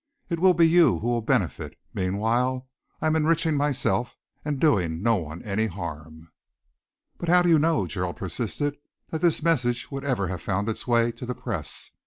It will be you who will benefit. Meanwhile, I am enriching myself and doing no one any harm." "But how do you know," Gerald persisted, "that this message would ever have found its way to the Press?